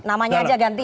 namanya aja ganti